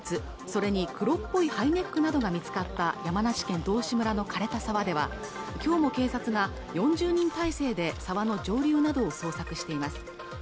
それに黒っぽいハイネックなどが見つかった山梨県道志村のかれた沢では今日も警察が４０人態勢で沢の上流などを捜索しています